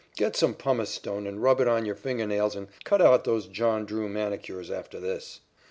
Get some pumice stone and rub it on your finger nails and cut out those John Drew manicures after this."